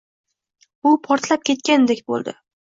Bu portlab ketgandek bo’ldi.